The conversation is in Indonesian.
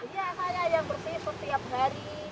iya saya yang bersih setiap hari